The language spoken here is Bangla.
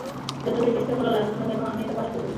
যতবারই চেষ্টা করা লাগুক না কেন আমি এটা পাস করবই।